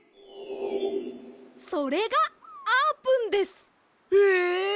それがあーぷんです。え！？